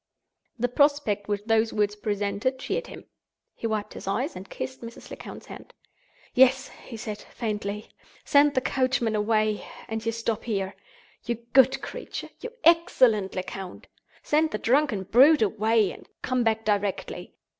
The prospect which those words presented cheered him. He wiped his eyes, and kissed Mrs. Lecount's hand. "Yes!" he said, faintly; "send the coachman away—and you stop here. You good creature! You excellent Lecount! Send the drunken brute away, and come back directly.